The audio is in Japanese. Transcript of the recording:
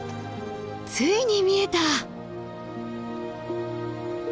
ついに見えた！